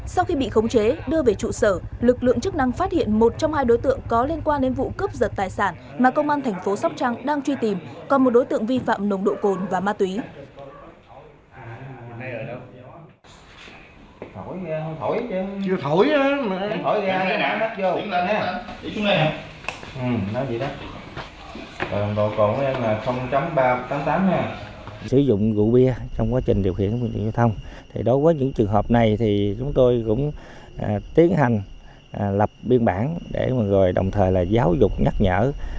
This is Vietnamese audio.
sau khi đưa về trụ sở công an làm việc các đối tượng có hành vi vi phạm đảm bảo an ninh trật tự ở địa bàn tỉnh nhà